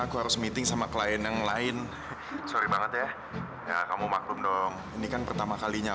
aduh mudah mudahan ini jadi start yang baik ya